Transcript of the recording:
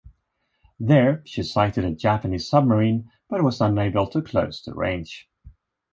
There, she sighted a Japanese submarine, but was unable to close the range.